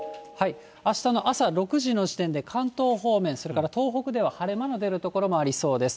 あしたの朝６時の時点で関東方面、それから東北では晴れ間の出る所もありそうです。